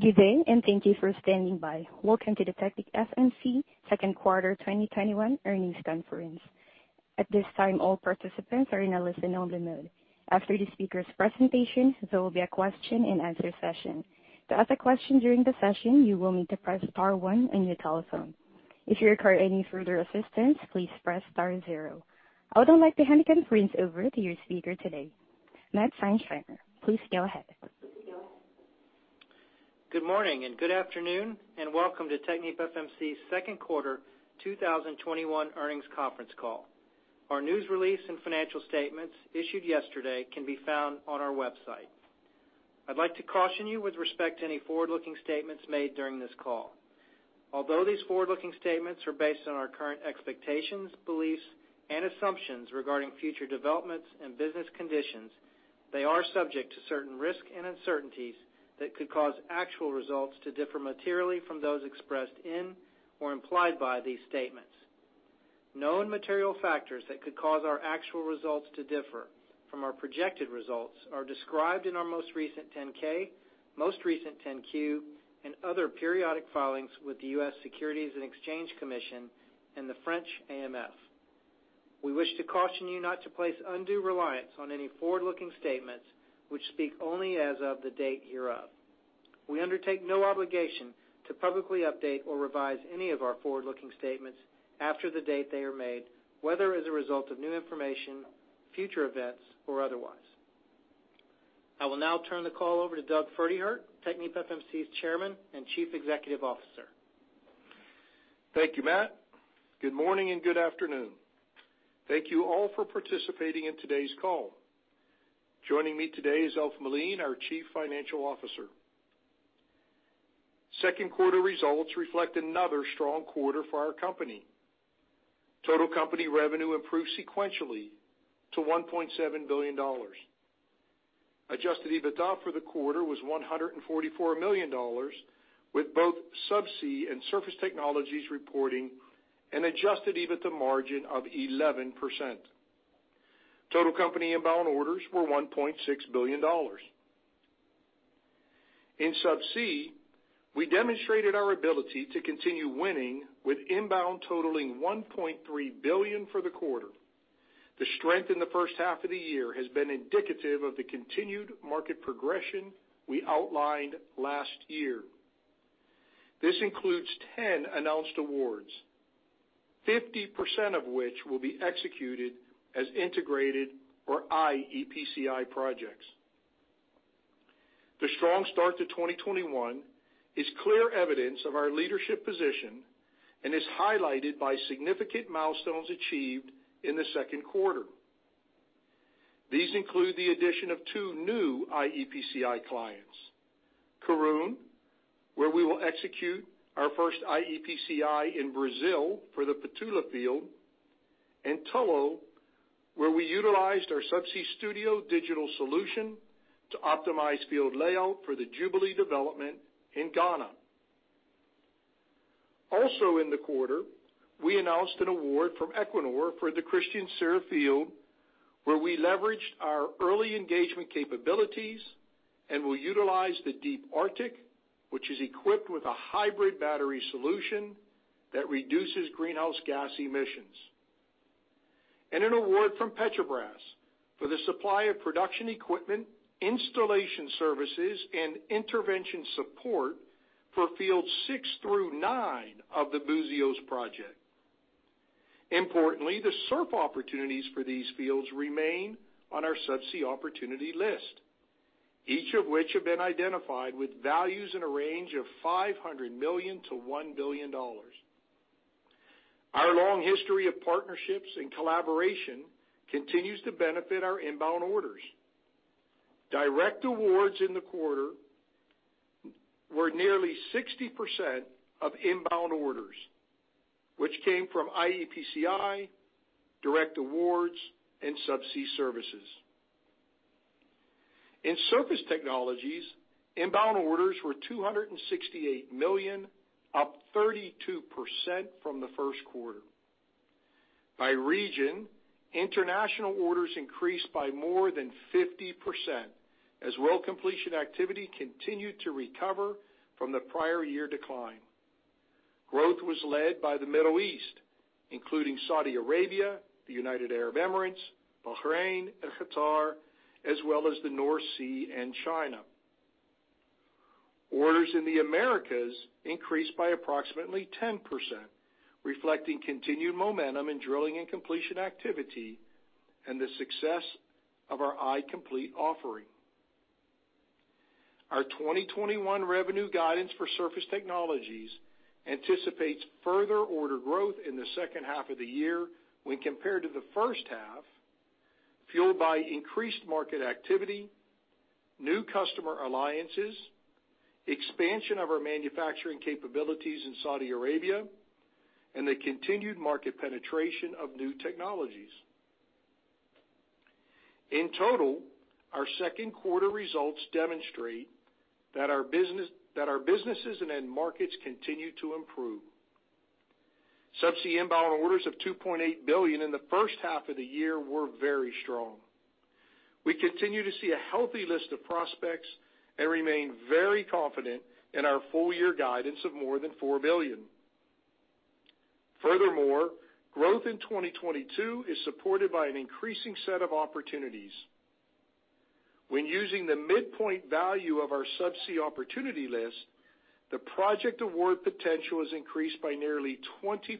Good day. Thank you for standing by. Welcome to the TechnipFMC second quarter 2021 earnings conference. At this time, all participants are in a listen-only mode. After the speakers' presentation, there will be a question-and-answer session. To ask a question during the session, you will need to press star one on your telephone. If you require any further assistance, please press star zero. I would now like to hand the conference over to your speaker today, Matt Seinsheimer. Please go ahead. Good morning, good afternoon, and welcome to TechnipFMC's second quarter 2021 earnings conference call. Our news release and financial statements issued yesterday can be found on our website. I'd like to caution you with respect to any forward-looking statements made during this call. Although these forward-looking statements are based on our current expectations, beliefs, and assumptions regarding future developments and business conditions, they are subject to certain risks and uncertainties that could cause actual results to differ materially from those expressed in or implied by these statements. Known material factors that could cause our actual results to differ from our projected results are described in our most recent 10-K, most recent 10-Q, and other periodic filings with the U.S. Securities and Exchange Commission and the French AMF. We wish to caution you not to place undue reliance on any forward-looking statements, which speak only as of the date hereof. We undertake no obligation to publicly update or revise any of our forward-looking statements after the date they are made, whether as a result of new information, future events, or otherwise. I will now turn the call over to Doug Pferdehirt, TechnipFMC's Chairman and Chief Executive Officer. Thank you, Matt Seinsheimer. Good morning, and good afternoon. Thank you all for participating in today's call. Joining me today is Alf Melin, our Chief Financial Officer. Second quarter results reflect another strong quarter for our company. Total company revenue improved sequentially to $1.7 billion. Adjusted EBITDA for the quarter was $144 million, with both Subsea and Surface Technologies reporting an adjusted EBITDA margin of 11%. Total company inbound orders were $1.6 billion. In Subsea, we demonstrated our ability to continue winning with inbound totaling $1.3 billion for the quarter. The strength in the first half of the year has been indicative of the continued market progression we outlined last year. This includes 10 announced awards, 50% of which will be executed as integrated or iEPCI projects. The strong start to 2021 is clear evidence of our leadership position and is highlighted by significant milestones achieved in the second quarter. These include the addition of two new iEPCI clients, Karoon, where we will execute our first iEPCI in Brazil for the Patola field, and Tullow, where we utilized our Subsea Studio digital solution to optimize field layout for the Jubilee development in Ghana. Also in the quarter, we announced an award from Equinor for the Kristin Sør field, where we leveraged our early engagement capabilities and will utilize the Deep Arctic, which is equipped with a hybrid battery solution that reduces greenhouse gas emissions. An award from Petrobras for the supply of production equipment, installation services, and intervention support for fields six through nine of the Buzios project. Importantly, the SURF opportunities for these fields remain on our Subsea opportunity list, each of which have been identified with values in a range of $500 million-$1 billion. Our long history of partnerships and collaboration continues to benefit our inbound orders. Direct awards in the quarter were nearly 60% of inbound orders, which came from iEPCI, direct awards, and Subsea services. In Surface Technologies, inbound orders were $268 million, up 32% from the first quarter. By region, international orders increased by more than 50% as well completion activity continued to recover from the prior year decline. Growth was led by the Middle East, including Saudi Arabia, the United Arab Emirates, Bahrain, and Qatar, as well as the North Sea and China. Orders in the Americas increased by approximately 10%, reflecting continued momentum in drilling and completion activity and the success of our iComplete offering. Our 2021 revenue guidance for Surface Technologies anticipates further order growth in the second half of the year when compared to the first half, fueled by increased market activity, new customer alliances, expansion of our manufacturing capabilities in Saudi Arabia, and the continued market penetration of new technologies. In total, our second quarter results demonstrate that our businesses and end markets continue to improve. Subsea inbound orders of $2.8 billion in the first half of the year were very strong. We continue to see a healthy list of prospects and remain very confident in our full year guidance of more than $4 billion. Growth in 2022 is supported by an increasing set of opportunities. When using the midpoint value of our Subsea opportunity list, the project award potential has increased by nearly 20%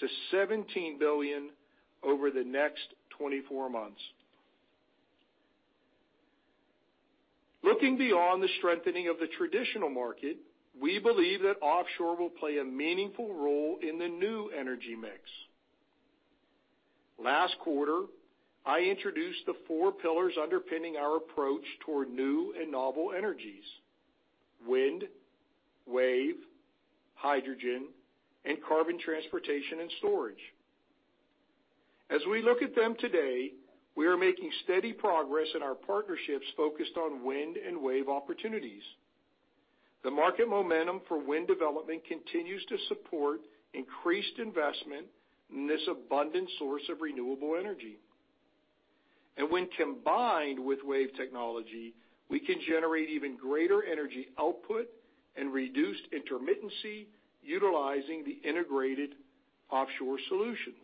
to $17 billion over the next 24 months. Looking beyond the strengthening of the traditional market, we believe that offshore will play a meaningful role in the new energy mix. Last quarter, I introduced the four pillars underpinning our approach toward new and novel energies, wind, wave, hydrogen, and carbon transportation and storage. As we look at them today, we are making steady progress in our partnerships focused on wind and wave opportunities. The market momentum for wind development continues to support increased investment in this abundant source of renewable energy. When combined with wave technology, we can generate even greater energy output and reduced intermittency utilizing the integrated offshore solutions.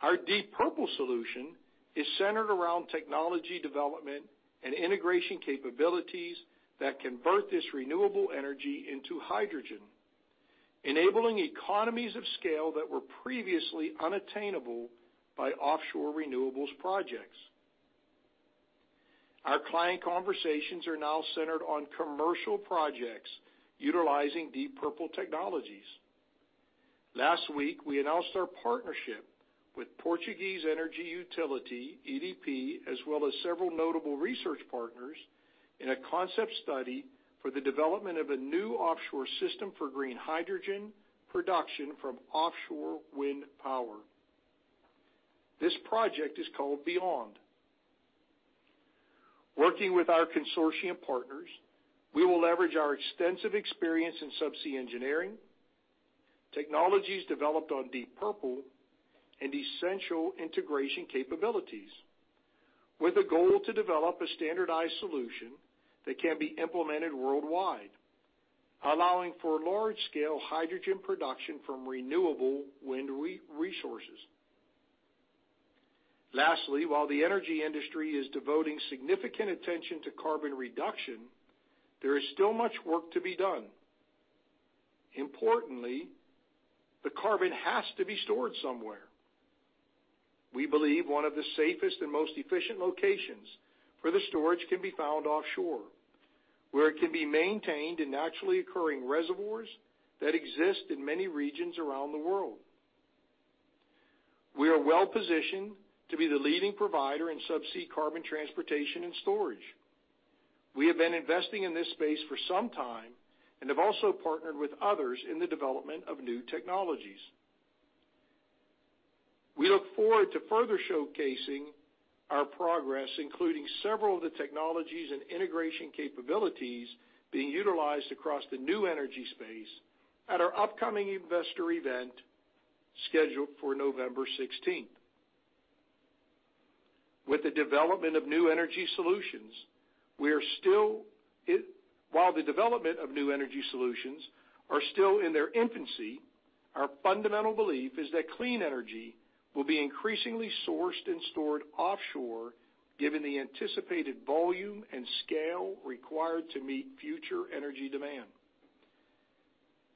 Our Deep Purple solution is centered around technology development and integration capabilities that convert this renewable energy into hydrogen, enabling economies of scale that were previously unattainable by offshore renewables projects. Our client conversations are now centered on commercial projects utilizing Deep Purple technologies. Last week, we announced our partnership with Portuguese energy utility EDP, as well as several notable research partners in a concept study for the development of a new offshore system for green hydrogen production from offshore wind power. This project is called BEHYOND. Working with our consortium partners, we will leverage our extensive experience in Subsea engineering, technologies developed on Deep Purple and essential integration capabilities with a goal to develop a standardized solution that can be implemented worldwide, allowing for large scale hydrogen production from renewable wind resources. Lastly, while the energy industry is devoting significant attention to carbon reduction, there is still much work to be done. Importantly, the carbon has to be stored somewhere. We believe one of the safest and most efficient locations for the storage can be found offshore, where it can be maintained in naturally occurring reservoirs that exist in many regions around the world. We are well-positioned to be the leading provider in subsea carbon transportation and storage. We have been investing in this space for some time and have also partnered with others in the development of new technologies. We look forward to further showcasing our progress, including several of the technologies and integration capabilities being utilized across the new energy space at our upcoming investor event scheduled for November 16th. While the development of new energy solutions are still in their infancy, our fundamental belief is that clean energy will be increasingly sourced and stored offshore, given the anticipated volume and scale required to meet future energy demand.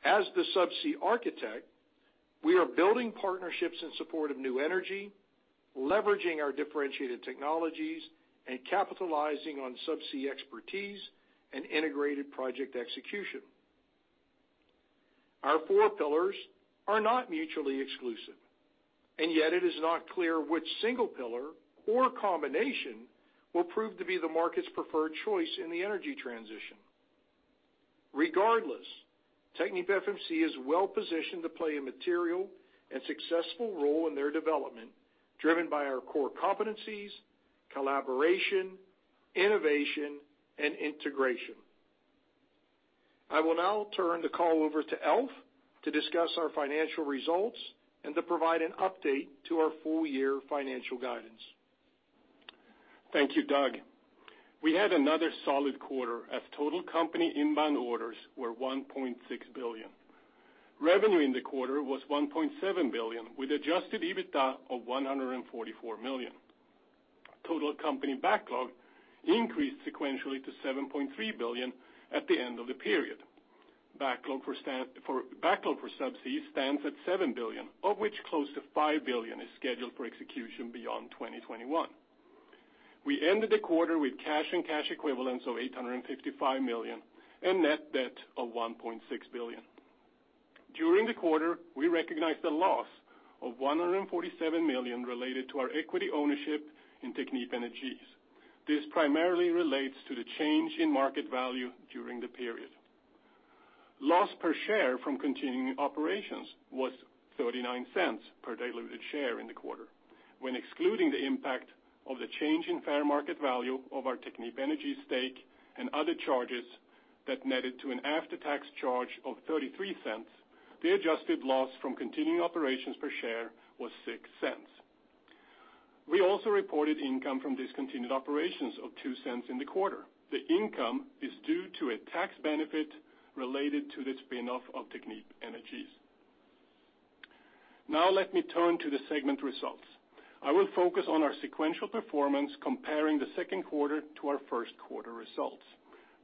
As the subsea architect, we are building partnerships in support of new energy, leveraging our differentiated technologies, and capitalizing on subsea expertise and integrated project execution. Our four pillars are not mutually exclusive, yet it is not clear which single pillar or combination will prove to be the market's preferred choice in the energy transition. Regardless, TechnipFMC is well positioned to play a material and successful role in their development, driven by our core competencies, collaboration, innovation, and integration. I will now turn the call over to Alf to discuss our financial results and to provide an update to our full year financial guidance. Thank you, Doug. We had another solid quarter as total company inbound orders were $1.6 billion. Revenue in the quarter was $1.7 billion with adjusted EBITDA of $144 million. Total company backlog increased sequentially to $7.3 billion at the end of the period. Backlog for subsea stands at $7 billion, of which close to $5 billion is scheduled for execution beyond 2021. We ended the quarter with cash and cash equivalents of $855 million and net debt of $1.6 billion. During the quarter, we recognized a loss of $147 million related to our equity ownership in Technip Energies. This primarily relates to the change in market value during the period. Loss per share from continuing operations was $0.39 per diluted share in the quarter. When excluding the impact of the change in fair market value of our Technip Energies stake and other charges that netted to an after-tax charge of $0.33, the adjusted loss from continuing operations per share was $0.06. We also reported income from discontinued operations of $0.02 in the quarter. The income is due to a tax benefit related to the spinoff of Technip Energies. Now, let me turn to the segment results. I will focus on our sequential performance, comparing the second quarter to our first quarter results.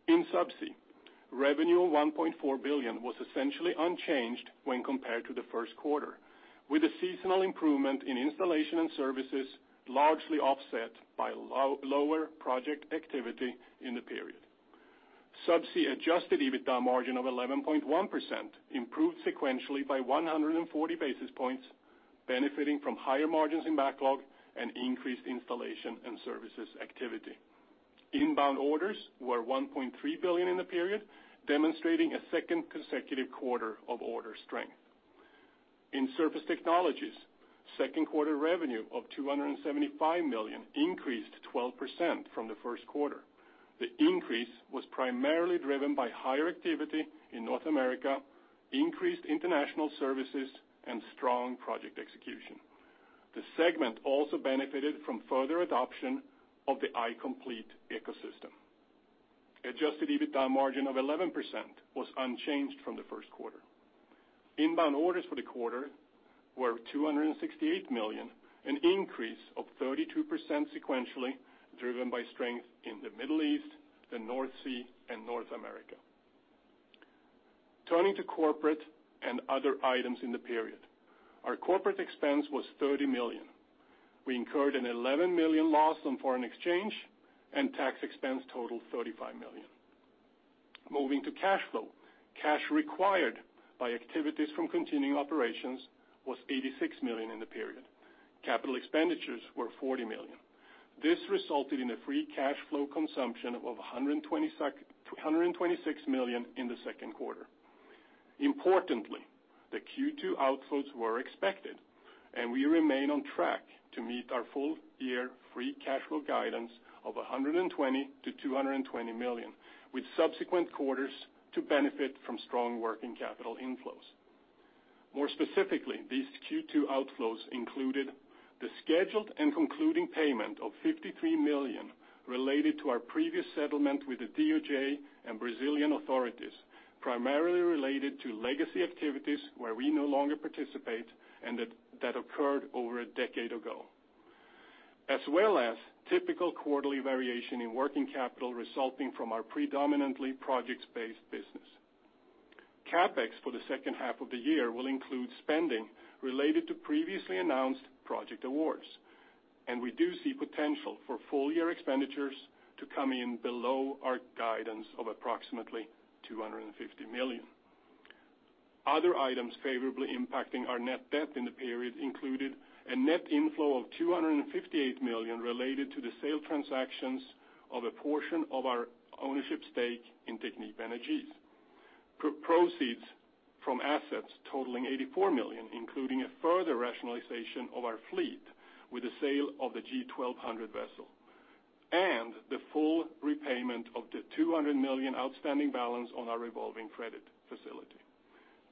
In Subsea, revenue of $1.4 billion was essentially unchanged when compared to the first quarter, with a seasonal improvement in installation and services largely offset by lower project activity in the period. Subsea adjusted EBITDA margin of 11.1% improved sequentially by 140 basis points, benefiting from higher margins in backlog and increased installation and services activity. Inbound orders were $1.3 billion in the period, demonstrating a second consecutive quarter of order strength. In Surface Technologies, second quarter revenue of $275 million increased 12% from the first quarter. The increase was primarily driven by higher activity in North America, increased international services, and strong project execution. The segment also benefited from further adoption of the iComplete ecosystem. Adjusted EBITDA margin of 11% was unchanged from the first quarter. Inbound orders for the quarter were $268 million, an increase of 32% sequentially, driven by strength in the Middle East, the North Sea, and North America. Turning to corporate and other items in the period. Our corporate expense was $30 million. We incurred an $11 million loss on foreign exchange, and tax expense totaled $35 million. Moving to cash flow. Cash required by activities from continuing operations was $86 million in the period. Capital expenditures were $40 million. This resulted in a free cash flow consumption of $126 million in the second quarter. Importantly, the Q2 outflows were expected, and we remain on track to meet our full year free cash flow guidance of $120 million-$220 million, with subsequent quarters to benefit from strong working capital inflows. More specifically, these Q2 outflows included the scheduled and concluding payment of $53 million related to our previous settlement with the DOJ and Brazilian authorities, primarily related to legacy activities where we no longer participate and that occurred over a decade ago, as well as typical quarterly variation in working capital resulting from our predominantly projects-based business. CapEx for the second half of the year will include spending related to previously announced project awards. We do see potential for full year expenditures to come in below our guidance of approximately $250 million. Other items favorably impacting our net debt in the period included a net inflow of $258 million related to the sale transactions of a portion of our ownership stake in Technip Energies, proceeds from assets totaling $84 million, including a further rationalization of our fleet with the sale of the G1200 vessel, and the full repayment of the $200 million outstanding balance on our revolving credit facility.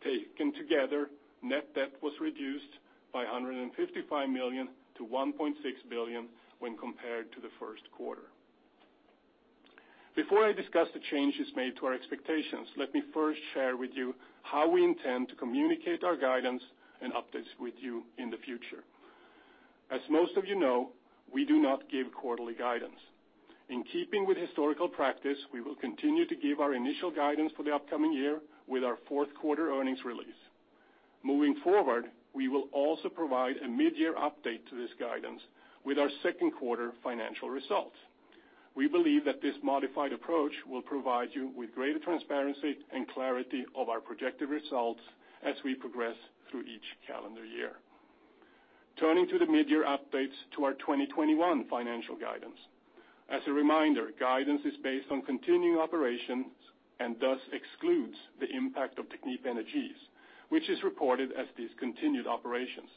Taken together, net debt was reduced by $155 million-$1.6 billion when compared to the first quarter. Before I discuss the changes made to our expectations, let me first share with you how we intend to communicate our guidance and updates with you in the future. As most of you know, we do not give quarterly guidance. In keeping with historical practice, we will continue to give our initial guidance for the upcoming year with our fourth quarter earnings release. Moving forward, we will also provide a mid-year update to this guidance with our second quarter financial results. We believe that this modified approach will provide you with greater transparency and clarity of our projected results as we progress through each calendar year. Turning to the mid-year updates to our 2021 financial guidance. As a reminder, guidance is based on continuing operations and thus excludes the impact of Technip Energies, which is reported as discontinued operations.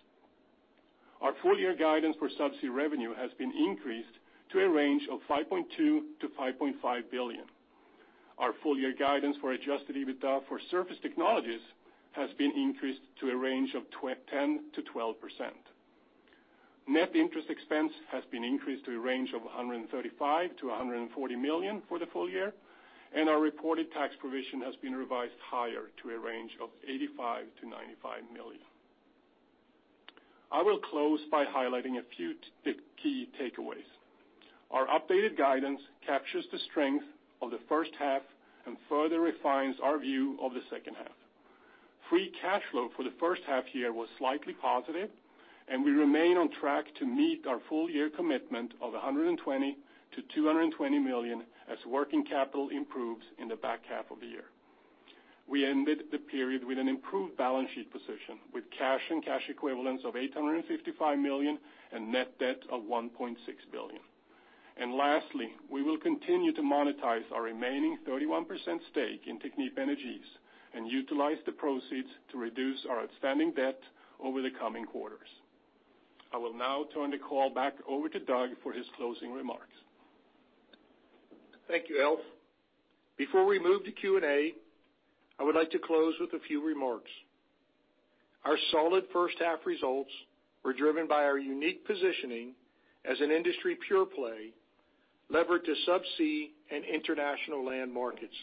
Our full year guidance for Subsea revenue has been been increased to a range of $5.2 billion-$5.5 billion. Our full year guidance for adjusted EBITDA for Surface Technologies has been increased to a range of 10%-12%. Net interest expense has been increased to a range of $135 million-$140 million for the full year, and our reported tax provision has been revised higher to a range of $85 million-$95 million. I will close by highlighting a few key takeaways. Our updated guidance captures the strength of the first half and further refines our view of the second half. Free cash flow for the first half year was slightly positive, and we remain on track to meet our full year commitment of $120 million-$220 million as working capital improves in the back half of the year. We ended the period with an improved balance sheet position with cash and cash equivalents of $855 million and net debt of $1.6 billion. Lastly, we will continue to monetize our remaining 31% stake in Technip Energies and utilize the proceeds to reduce our outstanding debt over the coming quarters. I will now turn the call back over to Doug for his closing remarks. Thank you, Alf. Before we move to Q&A, I would like to close with a few remarks. Our solid first half results were driven by our unique positioning as an industry pure play, levered to subsea and international land markets.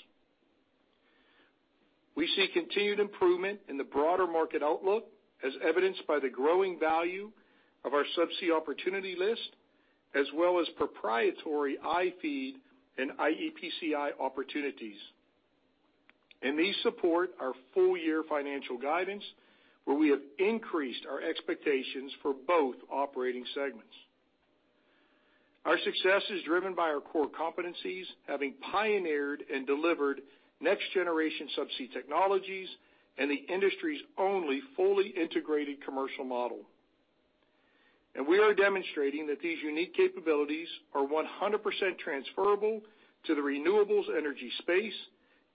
We see continued improvement in the broader market outlook, as evidenced by the growing value of our subsea opportunity list, as well as proprietary iFEED and iEPCI opportunities. These support our full-year financial guidance, where we have increased our expectations for both operating segments. Our success is driven by our core competencies, having pioneered and delivered next generation subsea technologies and the industry's only fully integrated commercial model. We are demonstrating that these unique capabilities are 100% transferable to the renewables energy space,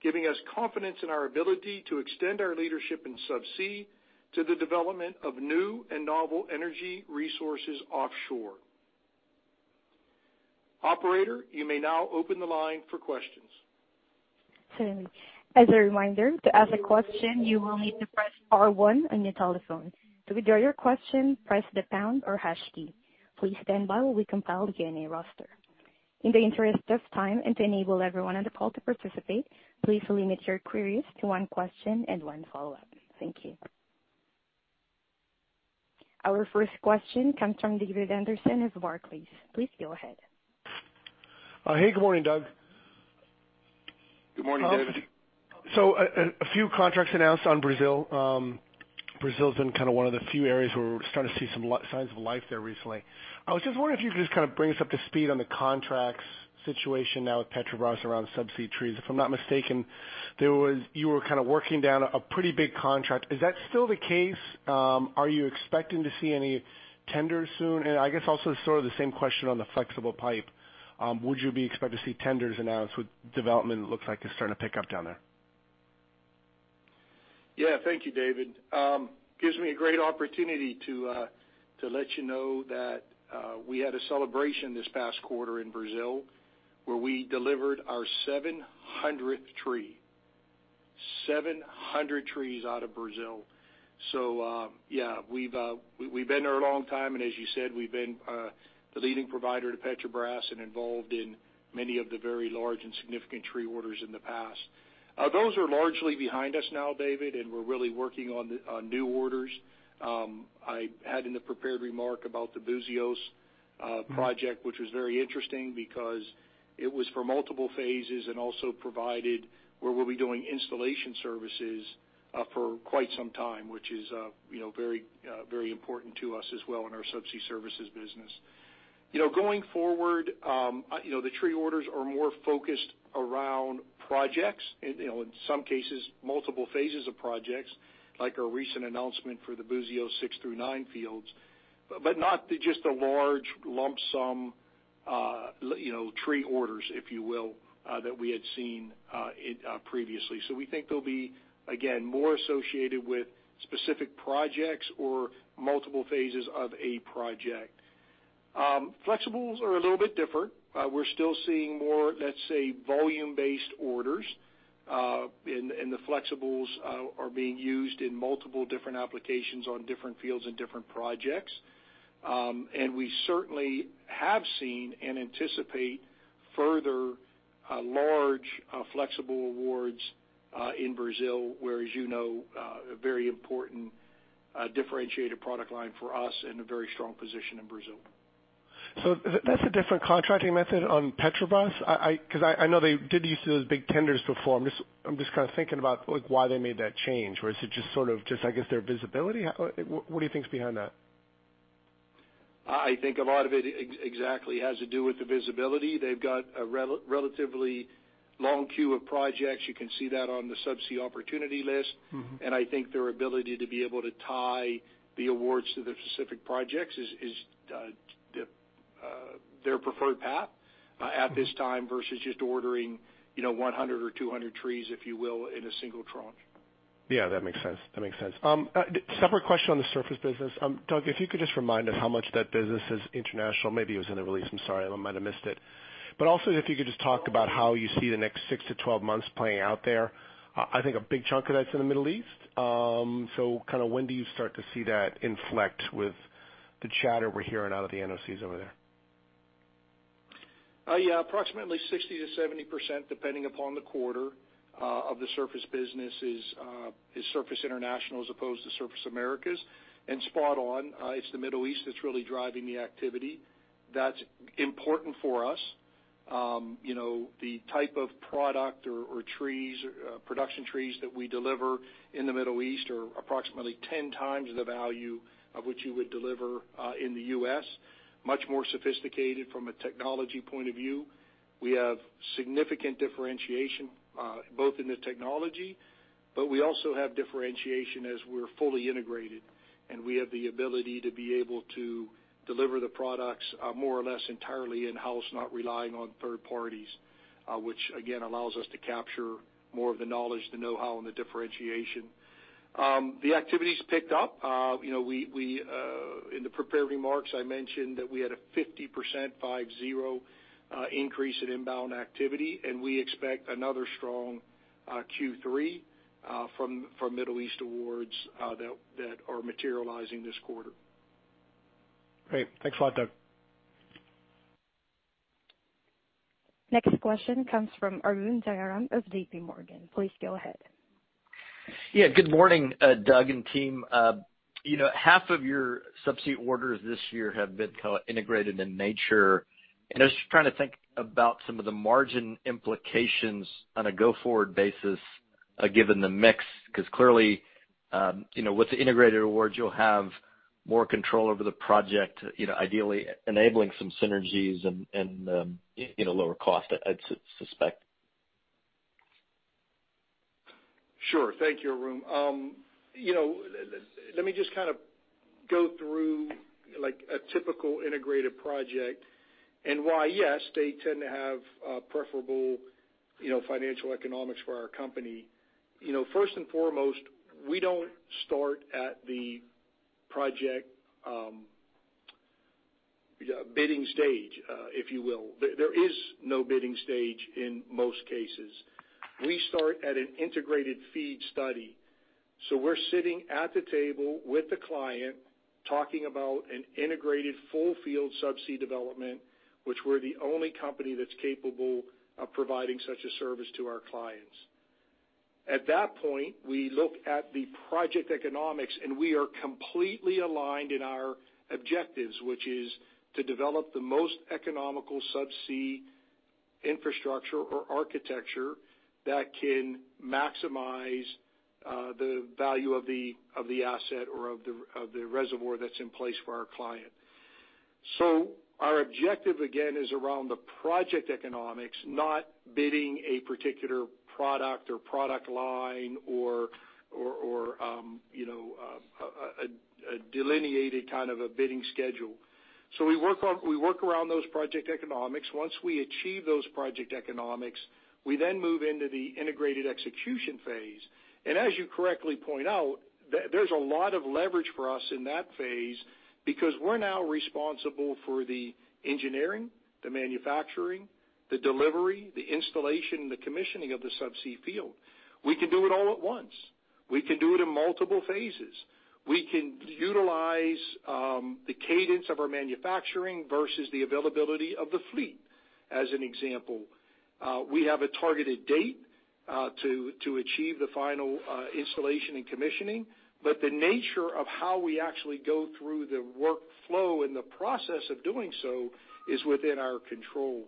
giving us confidence in our ability to extend our leadership in subsea to the development of new and novel energy resources offshore. Operator, you may now open the line for questions. Certainly. As a reminder, to ask a question, you will need to press star one on your telephone. To withdraw your question, press the pound or hash key. Please stand by while we compile the Q&A roster. In the interest of time and to enable everyone on the call to participate, please limit your queries to one question and one follow-up. Thank you. Our first question comes from David Anderson of Barclays. Please go ahead. Hey, good morning, Doug. Good morning, David. A few contracts announced on Brazil. Brazil's been one of the few areas where we're starting to see some signs of life there recently. I was just wondering if you could just bring us up to speed on the contracts situation now with Petrobras around subsea trees. If I'm not mistaken, you were working down a pretty big contract. Is that still the case? Are you expecting to see any tenders soon? I guess also the same question on the flexible pipe. Would you be expecting to see tenders announced with development it looks like it's starting to pick up down there? Thank you, David. Gives me a great opportunity to let you know that we had a celebration this past quarter in Brazil where we delivered our 700th tree. 700 trees out of Brazil. We've been there a long time, and as you said, we've been the leading provider to Petrobras and involved in many of the very large and significant tree orders in the past. Those are largely behind us now, David, and we're really working on new orders. I had in the prepared remark about the Buzios project, which was very interesting because it was for multiple phases and also provided where we'll be doing installation services for quite some time, which is very important to us as well in our subsea services business. Going forward, the tree orders are more focuse-d around projects, in some cases, multiple phases of projects, like our recent announcement for the Buzios 6 through 9 fields, but not just a large lump sum tree orders, if you will, that we had seen previously. Flexibles are a little bit different. We're still seeing more, let's say, volume-based orders, and the flexibles are being used in multiple different applications on different fields and different projects. We certainly have seen and anticipate further large flexible awards in Brazil, where, as you know, a very important differentiated product line for us and a very strong position in Brazil. That's a different contracting method on Petrobras? I know they did use those big tenders before. I'm just thinking about why they made that change. Is it just, I guess, their visibility? What do you think's behind that? I think a lot of it exactly has to do with the visibility. They've got a relatively long queue of projects. You can see that on the subsea opportunity list. I think their ability to be able to tie the awards to the specific projects is their preferred path at this time versus just ordering 100 or 200 trees, if you will, in a single tranche. Yeah, that makes sense. Separate question on the surface business. Doug, if you could just remind us how much that business is international. Maybe it was in the release, I'm sorry. I might have missed it. Also, if you could just talk about how you see the next six to 12 months playing out there. I think a big chunk of that's in the Middle East. When do you start to see that inflect with the chatter we're hearing out of the NOCs over there? Yeah, approximately 60%-70%, depending upon the quarter, of the surface business is Surface International as opposed to Surface Americas. Spot on, it's the Middle East that's really driving the activity. That's important for us. The type of product or production trees that we deliver in the Middle East are approximately 10x the value of what you would deliver in the U.S. Much more sophisticated from a technology point of view. We have significant differentiation both in the technology, we also have differentiation as we're fully integrated, we have the ability to be able to deliver the products more or less entirely in-house, not relying on third parties, which again, allows us to capture more of the knowledge, the knowhow, and the differentiation. The activity's picked up. In the prepared remarks, I mentioned that we had a 50% increase in inbound activity. We expect another strong Q3 from Middle East awards that are materializing this quarter. Great. Thanks a lot, Doug. Next question comes from Arun Jayaram of JPMorgan. Please go ahead. Yeah. Good morning, Doug and team. Half of your subsea orders this year have been co-integrated in nature. I was just trying to think about some of the margin implications on a go-forward basis, given the mix, because clearly, with the integrated awards, you'll have more control over the project, ideally enabling some synergies and lower cost, I'd suspect. Sure. Thank you, Arun. Let me just go through a typical integrated project and why, yes, they tend to have preferable financial economics for our company. First and foremost, we don't start at the project bidding stage, if you will. There is no bidding stage in most cases. We start at an integrated FEED study. We're sitting at the table with the client talking about an integrated full field subsea development, which we're the only company that's capable of providing such a service to our clients. At that point, we look at the project economics, and we are completely aligned in our objectives, which is to develop the most economical subsea infrastructure or architecture that can maximize the value of the asset or of the reservoir that's in place for our client. Our objective, again, is around the project economics, not bidding a particular product or product line or a delineated kind of a bidding schedule. We work around those project economics. Once we achieve those project economics, we then move into the integrated execution phase. As you correctly point out, there's a lot of leverage for us in that phase because we're now responsible for the engineering, the manufacturing, the delivery, the installation, the commissioning of the subsea field. We can do it all at once. We can do it in multiple phases. We can utilize the cadence of our manufacturing versus the availability of the fleet. As an example, we have a targeted date to achieve the final installation and commissioning, but the nature of how we actually go through the workflow and the process of doing so is within our control.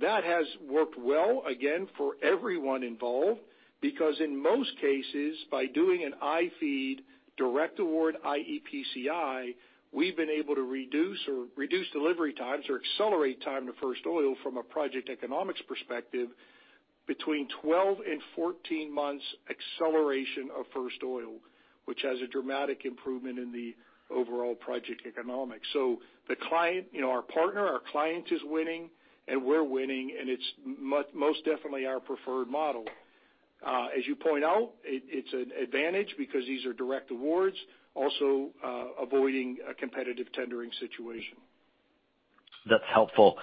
That has worked well, again, for everyone involved because in most cases, by doing an iFEED direct award, iEPCI, we've been able to reduce delivery times or accelerate time to first oil from a project economics perspective between 12 and 14 months acceleration of first oil, which has a dramatic improvement in the overall project economics. So our partner, our client is winning, and we're winning, and it's most definitely our preferred model. As you point out, it's an advantage because these are direct awards, also avoiding a competitive tendering situation. That's helpful.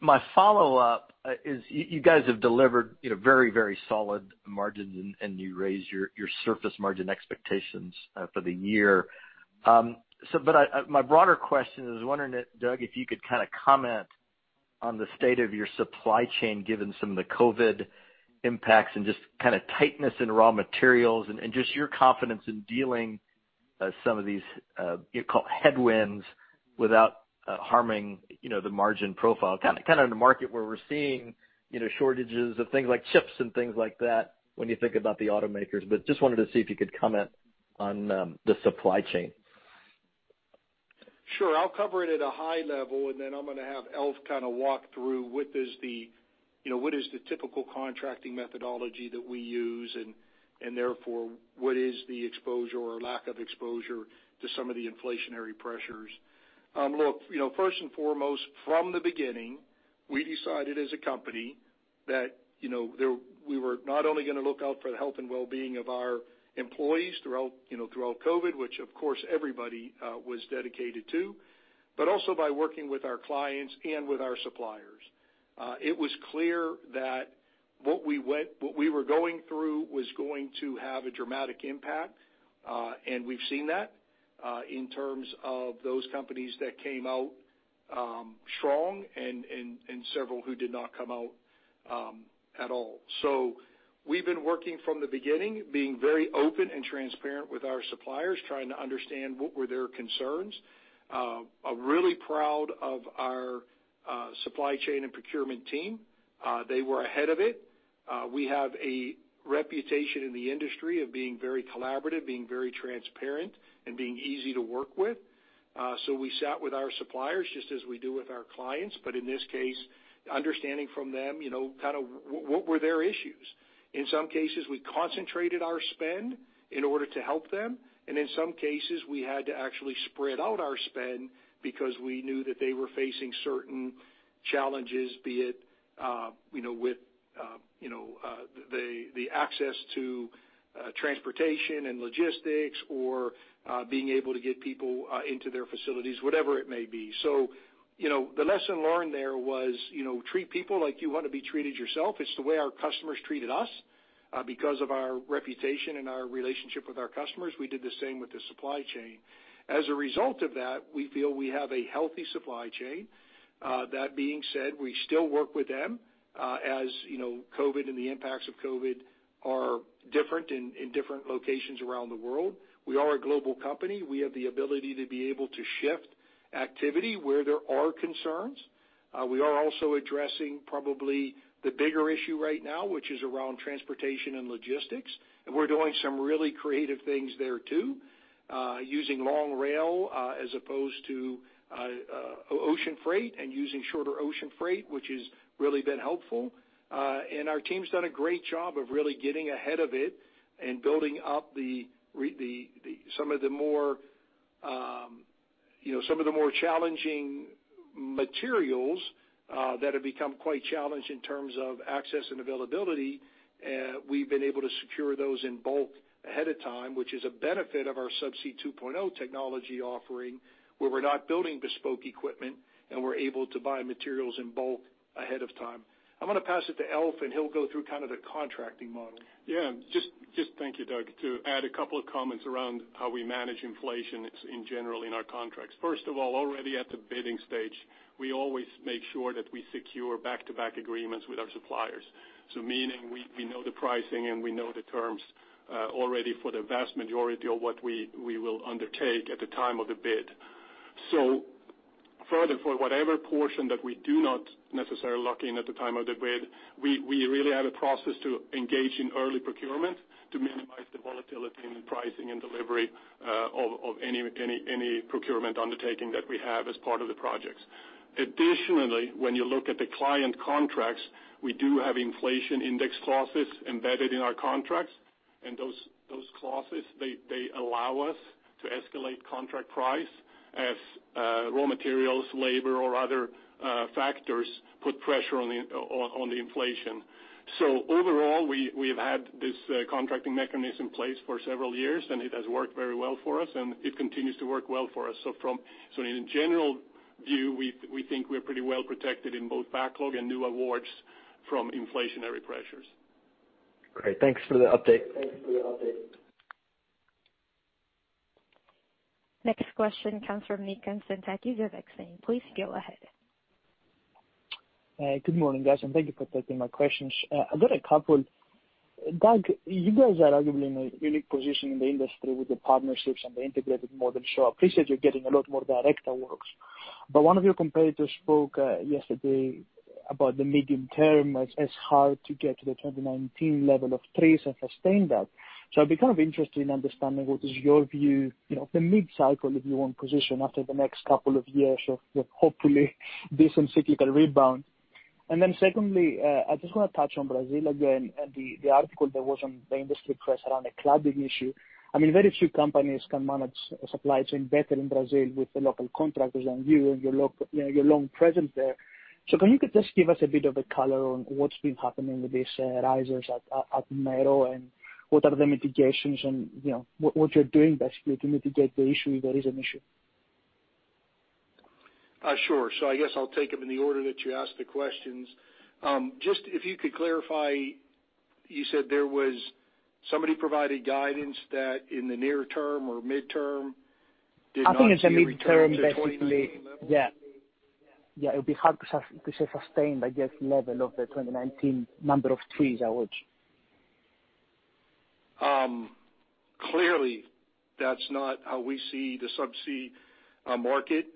My follow-up is you guys have delivered very solid margins, and you raised your Surface Technologies margin expectations for the year. My broader question is wondering, Doug, if you could comment on the state of your supply chain, given some of the COVID impacts and just tightness in raw materials and just your confidence in dealing some of these headwinds without harming the margin profile, in a market where we're seeing shortages of things like chips and things like that when you think about the automakers. Just wanted to see if you could comment on the supply chain. Sure. I'll cover it at a high level, and then I'm going to have Alf walk through what is the typical contracting methodology that we use, and therefore, what is the exposure or lack of exposure to some of the inflationary pressures. Look, first and foremost, from the beginning, we decided as a company that we were not only going to look out for the health and wellbeing of our employees throughout COVID, which of course everybody was dedicated to, but also by working with our clients and with our suppliers. It was clear that what we were going through was going to have a dramatic impact. We've seen that in terms of those companies that came out strong and several who did not come out at all. We've been working from the beginning, being very open and transparent with our suppliers, trying to understand what were their concerns. I'm really proud of our supply chain and procurement team. They were ahead of it. We have a reputation in the industry of being very collaborative, being very transparent, and being easy to work with. We sat with our suppliers, just as we do with our clients, but in this case, understanding from them what were their issues. In some cases, we concentrated our spend in order to help them, and in some cases, we had to actually spread out our spend because we knew that they were facing certain challenges, be it with the access to transportation and logistics or being able to get people into their facilities, whatever it may be. The lesson learned there was treat people like you want to be treated yourself. It's the way our customers treated us. Because of our reputation and our relationship with our customers, we did the same with the supply chain. As a result of that, we feel we have a healthy supply chain. That being said, we still work with them, as COVID and the impacts of COVID are different in different locations around the world. We are a global company. We have the ability to be able to shift activity where there are concerns. We are also addressing probably the bigger issue right now, which is around transportation and logistics. We're doing some really creative things there, too, using long rail as opposed to ocean freight and using shorter ocean freight, which has really been helpful. Our team's done a great job of really getting ahead of it and building up some of the more challenging materials that have become quite challenged in terms of access and availability. We've been able to secure those in bulk ahead of time, which is a benefit of our Subsea 2.0 technology offering, where we're not building bespoke equipment, and we're able to buy materials in bulk ahead of time. I'm going to pass it to Alf, and he'll go through the contracting model. Thank you, Doug. To add a couple of comments around how we manage inflation in general in our contracts. First of all, already at the bidding stage, we always make sure that we secure back-to-back agreements with our suppliers. Meaning, we know the pricing and we know the terms already for the vast majority of what we will undertake at the time of the bid. Further, for whatever portion that we do not necessarily lock in at the time of the bid, we really have a process to engage in early procurement to minimize the volatility in the pricing and delivery of any procurement undertaking that we have as part of the projects. Additionally, when you look at the client contracts, we do have inflation index clauses embedded in our contracts. Those clauses allow us to escalate contract price as raw materials, labor, or other factors put pressure on the inflation. Overall, we've had this contracting mechanism in place for several years, and it has worked very well for us, and it continues to work well for us. In a general view, we think we're pretty well protected in both backlog and new awards from inflationary pressures. Great. Thanks for the update. Next question comes from Nikolaos Konstantakis of Exane. Please go ahead. Good morning, guys. Thank you for taking my questions. I've got a couple. Doug, you guys are arguably in a unique position in the industry with the partnerships and the integrated model. I appreciate you're getting a lot more direct awards. One of your competitors spoke yesterday about the medium-term as hard to get to the 2019 level of activity and sustain that. I'd be kind of interested in understanding what is your view of the mid-cycle, if you want, position after the next couple of years of hopefully decent cyclical rebound. Secondly, I just want to touch on Brazil again and the article that was on the industry press around the cladding issue. Very few companies can manage a supply chain better in Brazil with the local contractors than you and your long presence there. Can you just give us a bit of a color on what's been happening with these risers at Mero and what are the mitigations and what you're doing, basically, to mitigate the issue if there is an issue? Sure. I guess I'll take them in the order that you asked the questions. Just if you could clarify, you said there was somebody provided guidance that in the near term or mid-term did not see- I think it's a mid-term. a return to 2019 levels. Yeah. It would be hard to say sustained, I guess, level of the 2019 number of iEPCI awards. Clearly, that's not how we see the subsea market.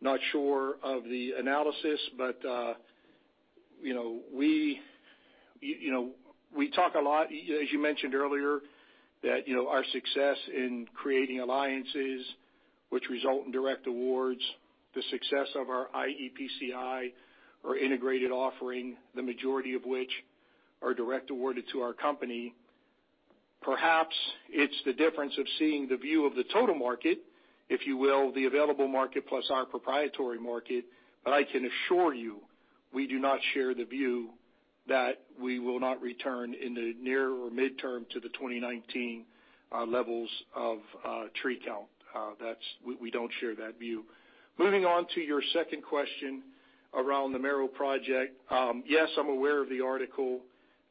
Not sure of the analysis, but we talk a lot, as you mentioned earlier, that our success in creating alliances, which result in direct awards, the success of our iEPCI or integrated offering, the majority of which are direct awarded to our company. Perhaps it's the difference of seeing the view of the total market, if you will, the available market plus our proprietary market, but I can assure you, we do not share the view that we will not return in the near or mid-term to the 2019 levels of tree count. We don't share that view. Moving on to your second question around the Mero project. Yes, I'm aware of the article.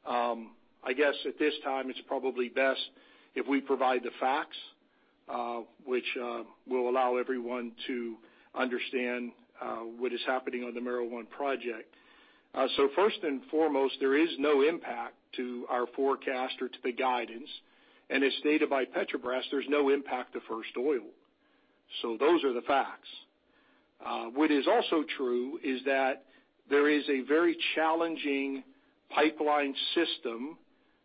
I guess at this time it's probably best if we provide the facts, which will allow everyone to understand what is happening on the Mero 1 project. First and foremost, there is no impact to our forecast or to the guidance. As stated by Petrobras, there's no impact to first oil. Those are the facts. What is also true is that there is a very challenging pipeline system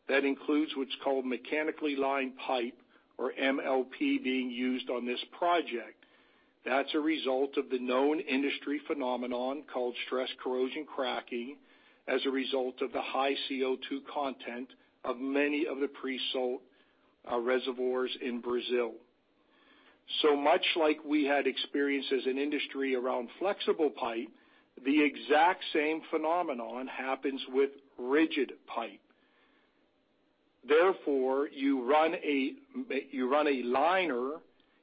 that includes what's called mechanically lined pipe, or MLP, being used on this project. That's a result of the known industry phenomenon called stress corrosion cracking as a result of the high CO2 content of many of the pre-salt reservoirs in Brazil. Much like we had experiences in industry around flexible pipe, the exact same phenomenon happens with rigid pipe. Therefore, you run a liner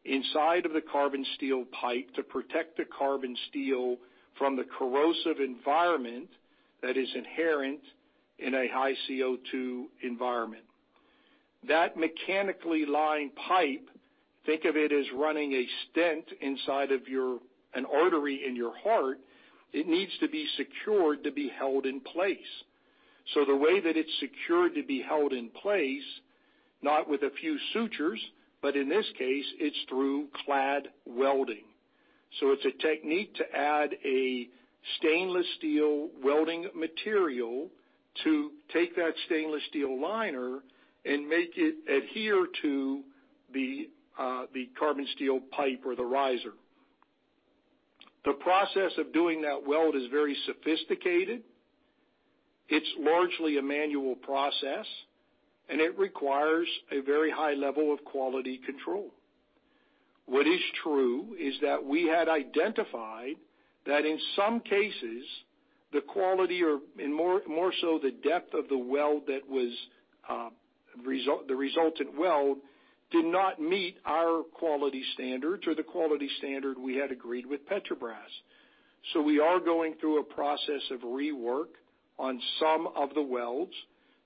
inside of the carbon steel pipe to protect the carbon steel from the corrosive environment that is inherent in a high-CO2 environment. That mechanically lined pipe, think of it as running a stent inside of an artery in your heart, it needs to be secured to be held in place. The way that it's secured to be held in place, not with a few sutures, but in this case, it's through clad welding. It's a technique to add a stainless steel welding material to take that stainless steel liner and make it adhere to the carbon steel pipe or the riser. The process of doing that weld is very sophisticated. It's largely a manual process, and it requires a very high level of quality control. What is true is that we had identified that in some cases, the quality or more so the depth of the resultant weld did not meet our quality standards or the quality standard we had agreed with Petrobras. We are going through a process of rework on some of the welds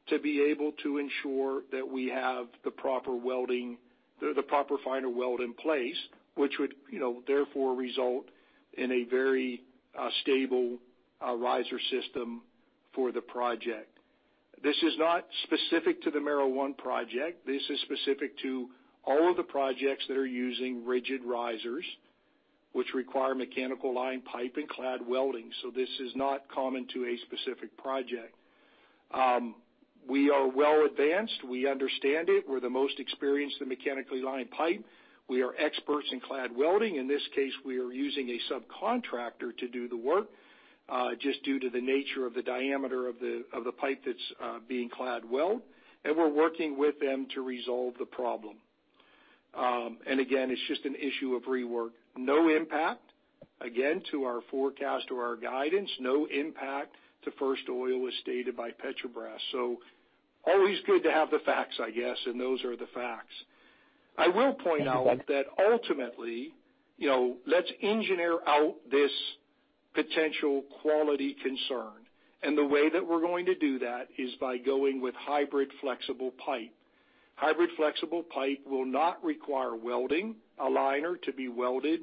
to be able to ensure that we have the proper final weld in place, which would therefore result in a very stable riser system for the project. This is not specific to the Mero 1 project. This is specific to all of the projects that are using rigid risers, which require mechanical lined pipe and clad welding. This is not common to a specific project. We are well advanced. We understand it. We're the most experienced in mechanically lined pipe. We are experts in clad welding. In this case, we are using a subcontractor to do the work, just due to the nature of the diameter of the pipe that's being clad weld, and we're working with them to resolve the problem. Again, it's just an issue of rework. No impact, again, to our forecast or our guidance. No impact to first oil as stated by Petrobras. Always good to have the facts, I guess, and those are the facts. I will point out that ultimately, let's engineer out this potential quality concern. The way that we're going to do that is by going with Hybrid Flexible Pipe. Hybrid Flexible Pipe will not require welding a liner to be welded,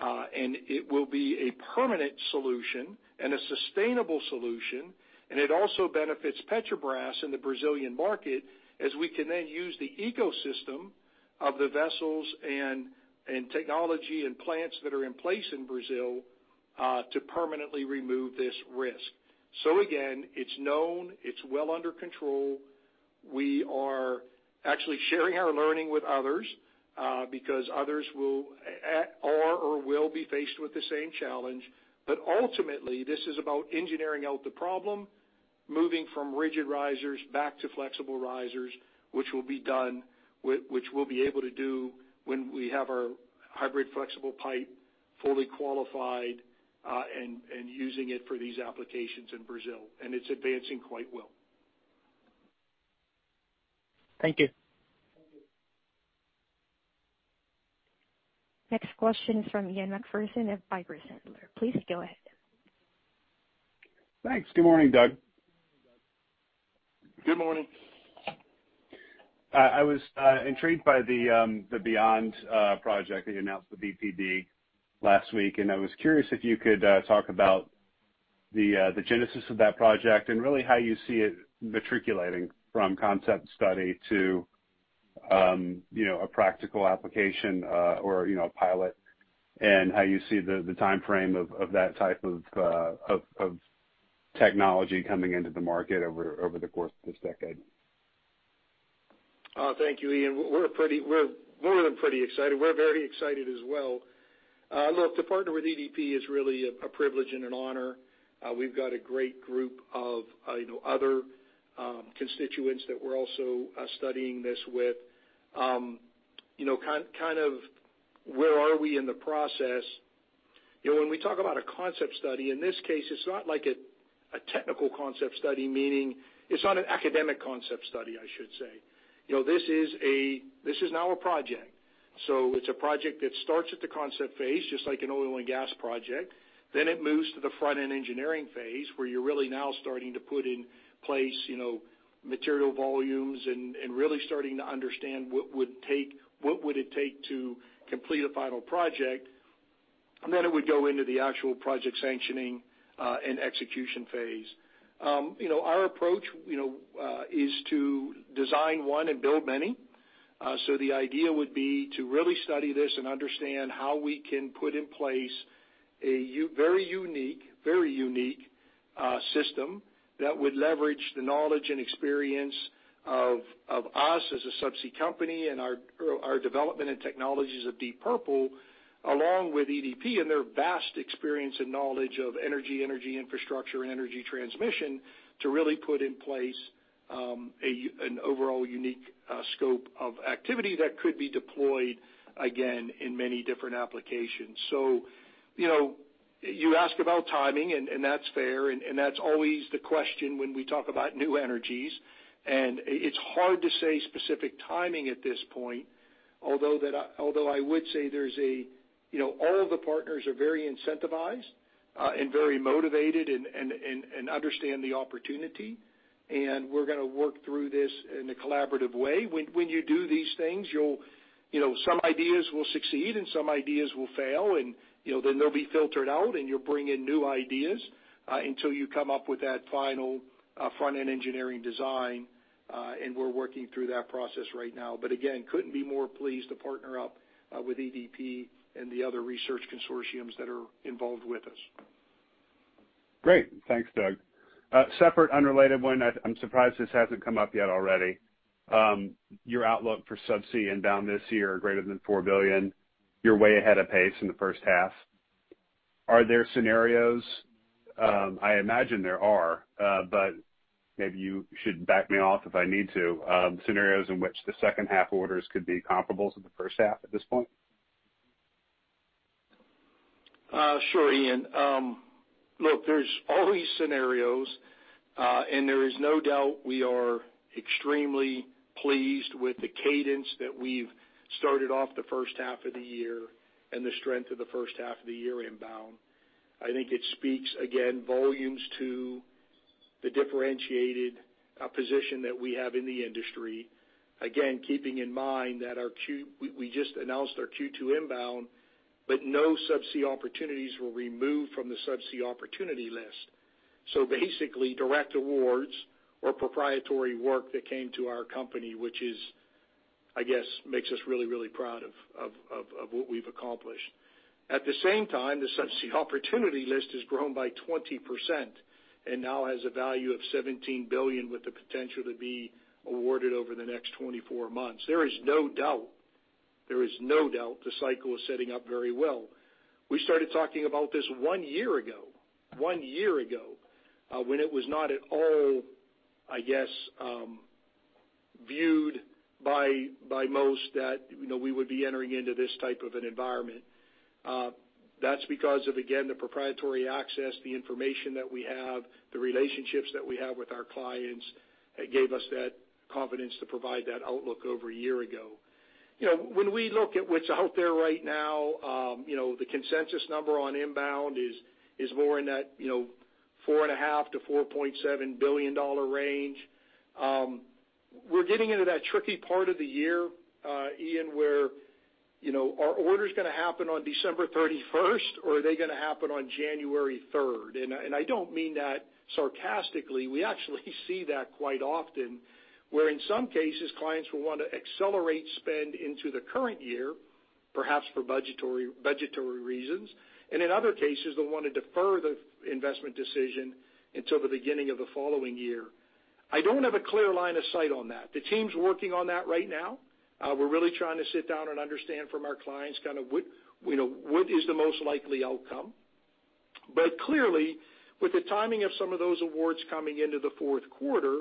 and it will be a permanent solution and a sustainable solution, and it also benefits Petrobras in the Brazilian market as we can then use the ecosystem of the vessels and technology and plants that are in place in Brazil to permanently remove this risk. Again, it's known, it's well under control. We are actually sharing our learning with others because others are or will be faced with the same challenge. Ultimately, this is about engineering out the problem, moving from rigid risers back to flexible risers, which we'll be able to do when we have our Hybrid Flexible Pipe fully qualified, and using it for these applications in Brazil. It's advancing quite well. Thank you. Next question from Ian MacPherson of Piper Sandler. Please go ahead. Thanks. Good morning, Doug. Good morning. I was intrigued by the BEHYOND project that you announced with EDP last week, and I was curious if you could talk about the genesis of that project and really how you see it matriculating from concept study to a practical application or a pilot, and how you see the timeframe of that type of technology coming into the market over the course of this decade. Thank you, Ian. We're more than pretty excited. We're very excited as well. Look, to partner with EDP is really a privilege and an honor. We've got a great group of other constituents that we're also studying this with. Where are we in the process? When we talk about a concept study, in this case, it's not like a technical concept study, meaning it's not an academic concept study, I should say. This is now a project. It's a project that starts at the concept phase, just like an oil and gas project. It moves to the front-end engineering phase, where you're really now starting to put in place material volumes and really starting to understand what would it take to complete a final project. It would go into the actual project sanctioning and execution phase. Our approach is to design one and build many. The idea would be to really study this and understand how we can put in place a very unique system that would leverage the knowledge and experience of us as a subsea company and our development and technologies of Deep Purple, along with EDP and their vast experience and knowledge of energy infrastructure, and energy transmission to really put in place an overall unique scope of activity that could be deployed again in many different applications. You ask about timing, and that's fair, and that's always the question when we talk about new energies. It's hard to say specific timing at this point. Although I would say all of the partners are very incentivized and very motivated and understand the opportunity, and we're going to work through this in a collaborative way. When you do these things, some ideas will succeed, and some ideas will fail, and then they'll be filtered out, and you'll bring in new ideas until you come up with that final front-end engineering design, and we're working through that process right now. Again, couldn't be more pleased to partner up with EDP and the other research consortiums that are involved with us. Great. Thanks, Doug. A separate, unrelated one. I'm surprised this hasn't come up yet already. Your outlook for subsea inbound this year are greater than $4 billion. You're way ahead of pace in the first half. Are there scenarios, I imagine there are, but maybe you should back me off if I need to, scenarios in which the second half orders could be comparable to the first half at this point? Sure, Ian. Look, there's always scenarios. There is no doubt we are extremely pleased with the cadence that we've started off the first half of the year and the strength of the first half of the year inbound. I think it speaks, again, volumes to the differentiated position that we have in the industry. Again, keeping in mind that we just announced our Q2 inbound, no subsea opportunities were removed from the subsea opportunity list. Basically, direct awards or proprietary work that came to our company, which, I guess, makes us really, really proud of what we've accomplished. At the same time, the subsea opportunity list has grown by 20%. Now has a value of $17 billion with the potential to be awarded over the next 24 months. There is no doubt the cycle is setting up very well. We started talking about this one year ago when it was not at all, I guess, viewed by most that we would be entering into this type of an environment. That's because of, again, the proprietary access, the information that we have, the relationships that we have with our clients that gave us that confidence to provide that outlook over a year ago. When we look at what's out there right now, the consensus number on inbound is more in that $4.5 billion-$4.7 billion range. We're getting into that tricky part of the year, Ian, where are orders going to happen on December 31st or are they going to happen on January 3rd? I don't mean that sarcastically. We actually see that quite often, where in some cases, clients will want to accelerate spend into the current year, perhaps for budgetary reasons. In other cases, they'll want to defer the investment decision until the beginning of the following year. I don't have a clear line of sight on that. The team's working on that right now. We're really trying to sit down and understand from our clients what is the most likely outcome. Clearly, with the timing of some of those awards coming into the fourth quarter,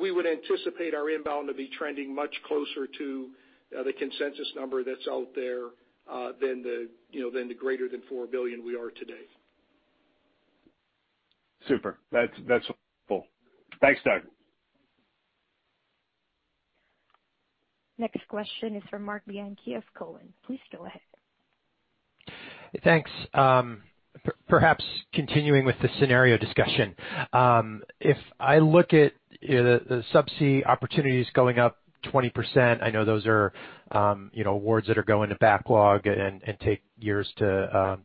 we would anticipate our inbound to be trending much closer to the consensus number that's out there than the greater than $4 billion we are today. Super. That's helpful. Thanks, Doug. Next question is from Marc Bianchi of Cowen. Please go ahead. Thanks. Perhaps continuing with the scenario discussion. If I look at the Subsea opportunities going up 20%, I know those are awards that are going to backlog and take years to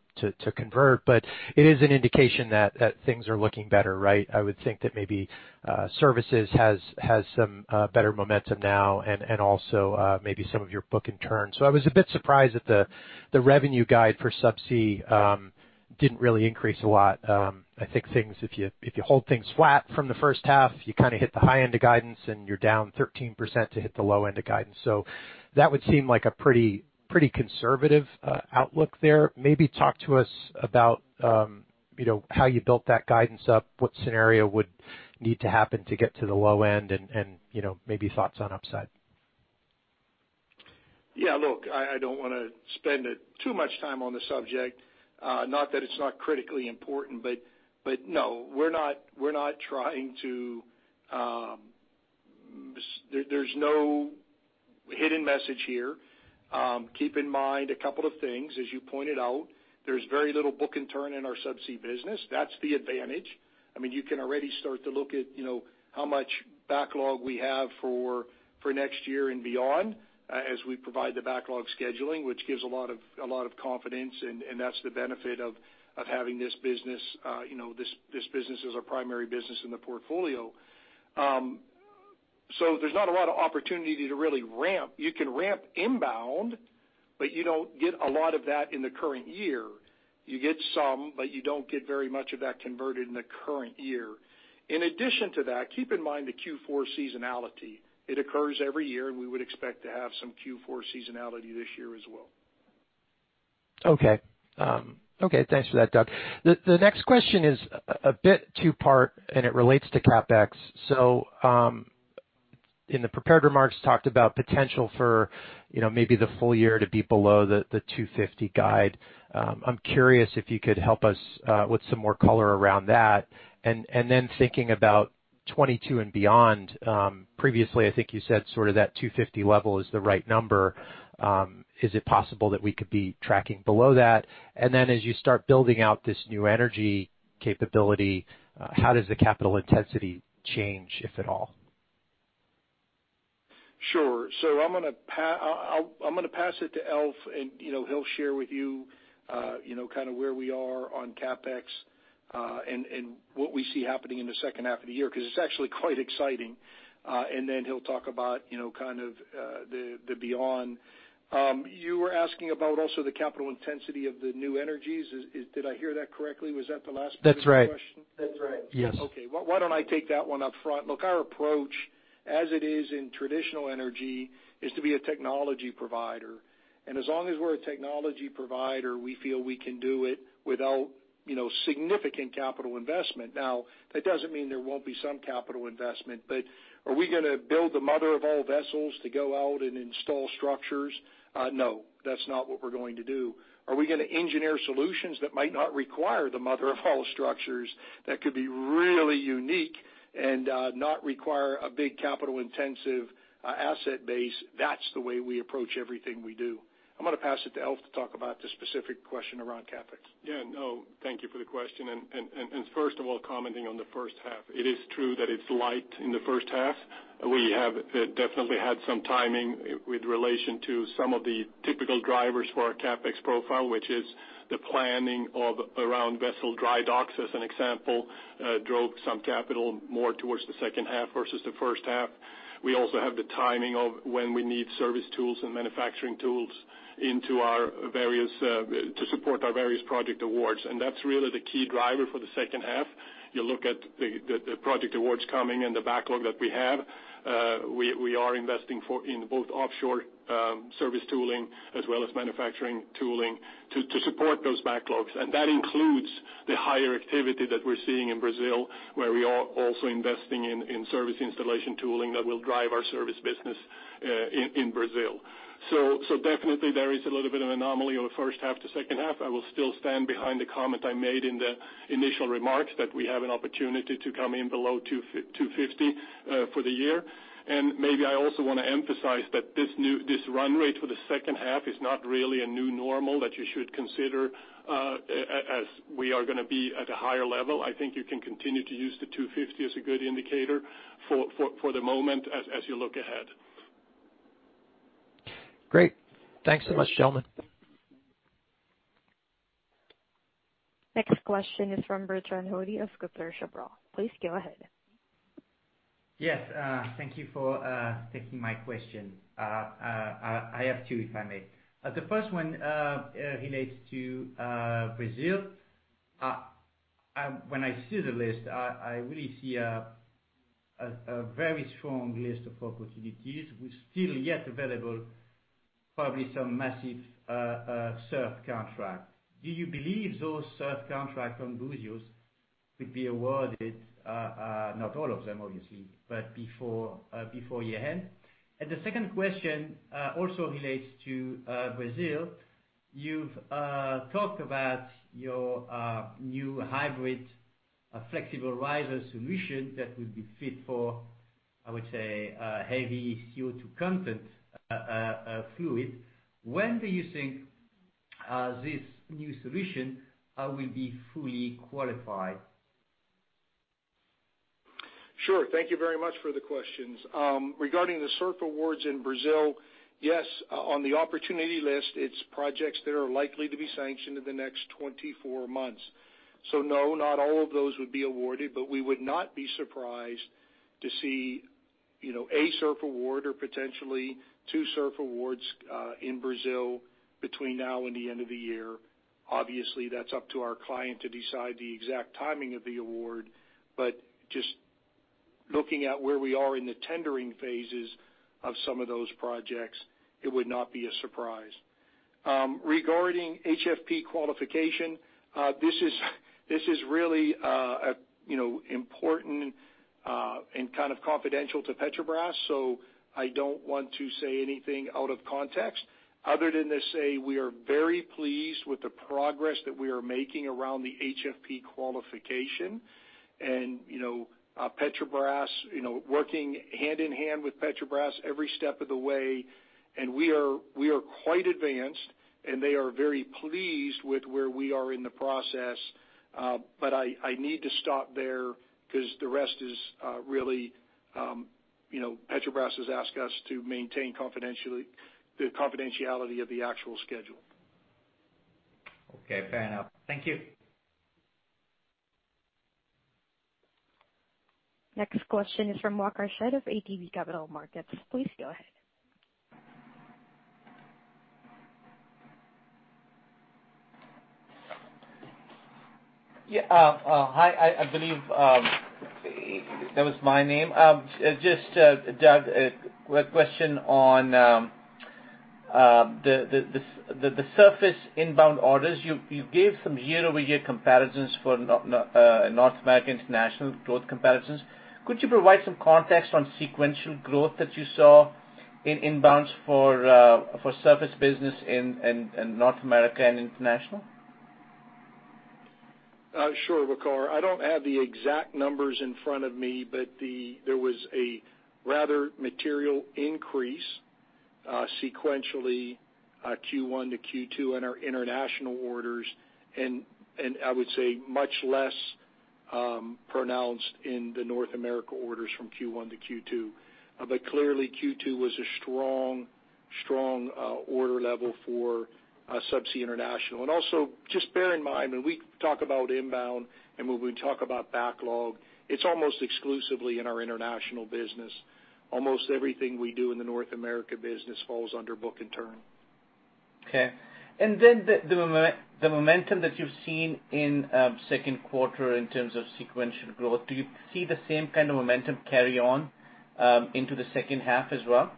convert, but it is an indication that things are looking better, right? I would think that maybe Services has some better momentum now and also maybe some of your book-and-turn. I was a bit surprised that the revenue guide for Subsea didn't really increase a lot. I think if you hold things flat from the first half, you kind of hit the high end of guidance and you're down 13% to hit the low end of guidance. That would seem like a pretty conservative outlook there. Maybe talk to us about how you built that guidance up, what scenario would need to happen to get to the low end and maybe thoughts on upside? Yeah, look, I don't want to spend too much time on the subject. Not that it's not critically important, but no, there's no hidden message here. Keep in mind a couple of things. As you pointed out, there's very little book-and-turn in our subsea business. That's the advantage. You can already start to look at how much backlog we have for next year and beyond as we provide the backlog scheduling, which gives a lot of confidence, and that's the benefit of having this business as our primary business in the portfolio. There's not a lot of opportunity to really ramp. You can ramp inbound, but you don't get a lot of that in the current year. You get some, but you don't get very much of that converted in the current year. In addition to that, keep in mind the Q4 seasonality. It occurs every year. We would expect to have some Q4 seasonality this year as well. Okay. Thanks for that, Doug. The next question is a bit two-part, and it relates to CapEx. In the prepared remarks, talked about potential for maybe the full year to be below the $250 guide. I'm curious if you could help us with some more color around that. Thinking about 2022 and beyond, previously, I think you said sort of that $250 level is the right number. Is it possible that we could be tracking below that? As you start building out this new energy capability, how does the capital intensity change, if at all? Sure. I'm going to pass it to Alf, and he'll share with you kind of where we are on CapEx, and what we see happening in the second half of the year, because it's actually quite exciting. Then he'll talk about kind of the beyond. You were asking about also the capital intensity of the new energies. Did I hear that correctly? Was that the last part of the question? That's right. Yes. Okay. Why don't I take that one up front? Look, our approach, as it is in traditional energy, is to be a technology provider. As long as we're a technology provider, we feel we can do it without significant capital investment. That doesn't mean there won't be some capital investment, but are we going to build the mother of all vessels to go out and install structures? No, that's not what we're going to do. Are we going to engineer solutions that might not require the mother of all structures that could be really unique and not require a big capital-intensive asset base? That's the way we approach everything we do. I'm going to pass it to Alf to talk about the specific question around CapEx. Thank you for the question. First of all, commenting on the first half, it is true that it's light in the first half. We have definitely had some timing with relation to some of the typical drivers for our CapEx profile, which is the planning of around vessel dry docks, as an example, drove some capital more towards the second half versus the first half. We also have the timing of when we need service tools and manufacturing tools to support our various project awards, and that's really the key driver for the second half. You look at the project awards coming and the backlog that we have, we are investing in both offshore service tooling as well as manufacturing tooling to support those backlogs. That includes the higher activity that we're seeing in Brazil, where we are also investing in service installation tooling that will drive our service business in Brazil. Definitely there is a little bit of anomaly on the first half to second half. I will still stand behind the comment I made in the initial remarks that we have an opportunity to come in below $250 for the year. Maybe I also want to emphasize that this run rate for the second half is not really a new normal that you should consider as we are going to be at a higher level. I think you can continue to use the $250 as a good indicator for the moment as you look ahead. Great. Thanks so much, gentlemen. Next question is from Bertrand Hodée of Kepler Cheuvreux. Please go ahead. Yes. Thank you for taking my question. I have two, if I may. The first one relates to Brazil. When I see the list, I really see a very strong list of opportunities with still yet available probably some massive SURF contract. Do you believe those SURF contract on Buzios could be awarded, not all of them obviously, but before year-end? The second question also relates to Brazil. You've talked about your new hybrid flexible riser solution that would be fit for, I would say, heavy CO2 content fluid. When do you think this new solution will be fully qualified? Sure. Thank you very much for the questions. Regarding the SURF awards in Brazil, yes, on the opportunity list, it's projects that are likely to be sanctioned in the next 24 months. No, not all of those would be awarded, but we would not be surprised to see a SURF award or potentially two SURF awards in Brazil between now and the end of the year. Obviously, that's up to our client to decide the exact timing of the award. Just looking at where we are in the tendering phases of some of those projects, it would not be a surprise. Regarding HFP qualification, this is really important and kind of confidential to Petrobras, so I don't want to say anything out of context other than to say we are very pleased with the progress that we are making around the HFP qualification. Working hand in hand with Petrobras every step of the way, we are quite advanced, they are very pleased with where we are in the process. I need to stop there because Petrobras has asked us to maintain the confidentiality of the actual schedule. Okay. Fair enough. Thank you. Next question is from Waqar Syed of ATB Capital Markets. Please go ahead. Yeah. Hi, I believe that was my name. Just, Doug, a quick question on the Surface inbound orders. You gave some year-over-year comparisons for North American International growth comparisons. Could you provide some context on sequential growth that you saw in inbounds for Surface business in North America and International? Sure, Waqar. I don't have the exact numbers in front of me, but there was a rather material increase sequentially Q1 to Q2 in our international orders and I would say much less pronounced in the North America orders from Q1 to Q2. Clearly Q2 was a strong order level for Subsea International. Also just bear in mind when we talk about inbound and when we talk about backlog, it's almost exclusively in our international business. Almost everything we do in the North America business falls under book and turn. Okay. The momentum that you've seen in second quarter in terms of sequential growth, do you see the same kind of momentum carry on into the second half as well?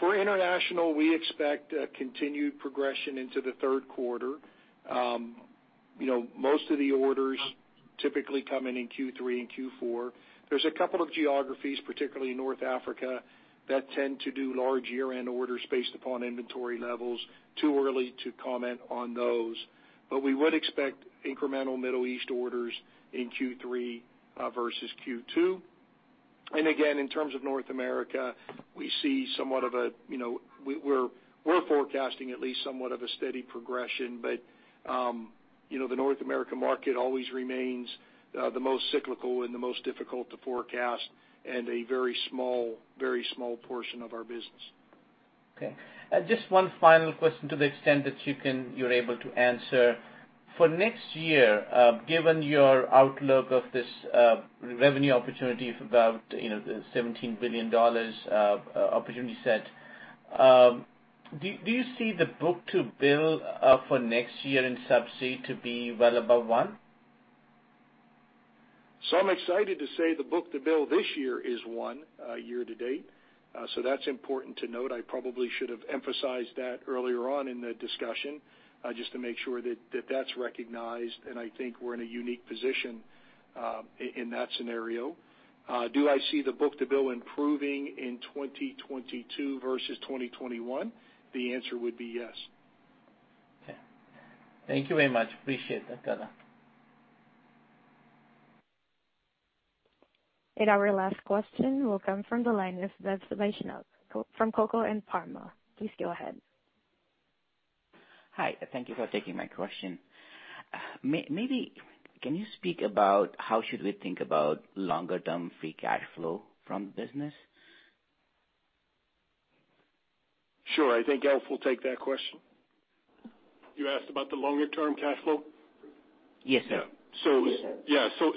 For international, we expect a continued progression into the third quarter. Most of the orders typically come in in Q3 and Q4. There's a couple of geographies, particularly North Africa, that tend to do large year-end orders based upon inventory levels. Too early to comment on those. We would expect incremental Middle East orders in Q3 versus Q2. Again, in terms of North America, we're forecasting at least somewhat of a steady progression. The North America market always remains the most cyclical and the most difficult to forecast and a very small portion of our business. Okay. Just one final question to the extent that you're able to answer. For next year, given your outlook of this revenue opportunity of about the $17 billion opportunity set, do you see the book to bill for next year in Subsea to be well above one? I'm excited to say the book-to-bill this year is one year to date. That's important to note. I probably should've emphasized that earlier on in the discussion just to make sure that that's recognized, and I think we're in a unique position in that scenario. Do I see the book-to-bill improving in 2022 versus 2021? The answer would be yes. Okay. Thank you very much. Appreciate the color. Our last question will come from the line of Vaibhav Vaishnav from Coker and Palmer. Please go ahead. Hi. Thank you for taking my question. Maybe can you speak about how should we think about longer-term free cash flow from the business? Sure. I think Alf will take that question. You asked about the longer-term cash flow? Yes, sir.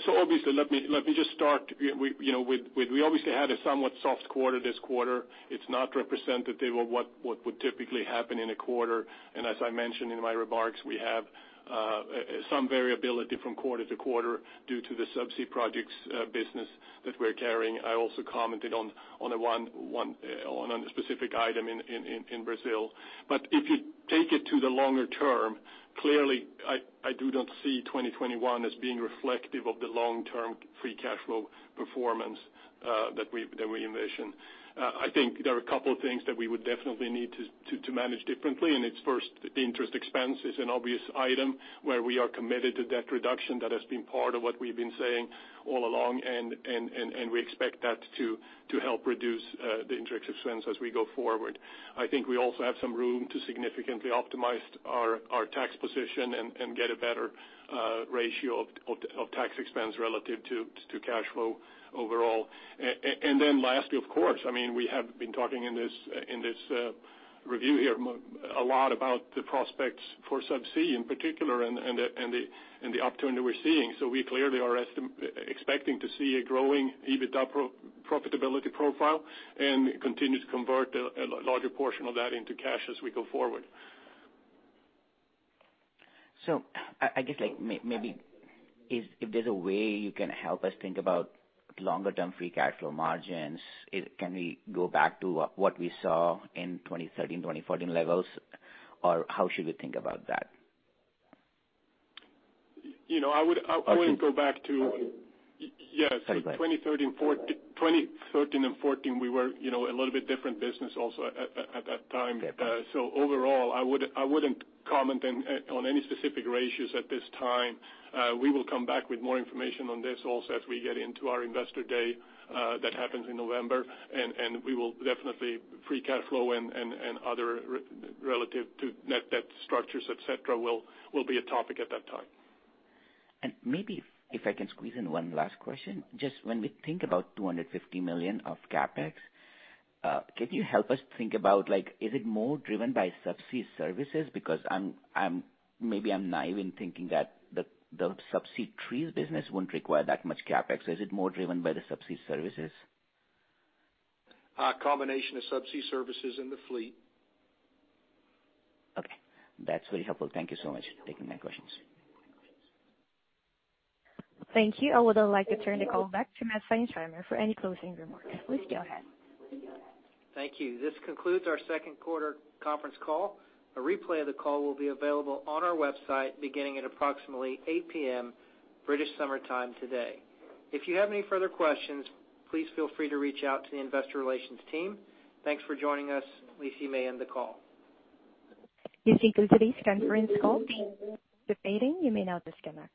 Obviously, let me just start. We obviously had a somewhat soft quarter this quarter. It's not representative of what would typically happen in a quarter, and as I mentioned in my remarks, we have some variability from quarter to quarter due to the Subsea Projects business that we're carrying. I also commented on a specific item in Brazil. If you take it to the longer term, clearly I do not see 2021 as being reflective of the long-term free cash flow performance that we envision. I think there are a couple of things that we would definitely need to manage differently, and it's first the interest expense is an obvious item where we are committed to debt reduction. That has been part of what we've been saying all along, and we expect that to help reduce the interest expense as we go forward. I think we also have some room to significantly optimize our tax position and get a better ratio of tax expense relative to cash flow overall. Lastly, of course, we have been talking in this review here a lot about the prospects for Subsea in particular and the upturn that we're seeing. We clearly are expecting to see a growing EBITDA profitability profile and continue to convert a larger portion of that into cash as we go forward. I guess, maybe if there's a way you can help us think about longer-term free cash flow margins, can we go back to what we saw in 2013, 2014 levels? How should we think about that? I wouldn't go back to- Okay. Sorry about that. Yeah. 2013 and 2014 we were a little bit different business also at that time. Yeah. Overall I wouldn't comment on any specific ratios at this time. We will come back with more information on this also as we get into our investor day that happens in November, and we will definitely, free cash flow and other relative to net debt structures, et cetera, will be a topic at that time. Maybe if I can squeeze in one last question. Just when we think about $250 million of CapEx, can you help us think about is it more driven by Subsea services? Maybe I'm naive in thinking that the Subsea Trees business wouldn't require that much CapEx. Is it more driven by the Subsea services? A combination of Subsea services and the fleet. Okay. That's very helpful. Thank you so much for taking my questions. Thank you. I would like to turn the call back to Matt Seinsheimer for any closing remarks. Please go ahead. Thank you. This concludes our second quarter conference call. A replay of the call will be available on our website beginning at approximately 8:00 P.M. British Summer Time today. If you have any further questions, please feel free to reach out to the investor relations team. Thanks for joining us. Lisa, you may end the call. This concludes the conference call. Thank you for participating, you may now disconnect.